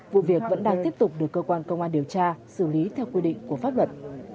vụ việc vẫn đang tiếp tục được cơ quan công an điều tra xử lý theo quy định của pháp luật